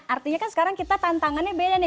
artinya kan sekarang kita tantangannya beda nih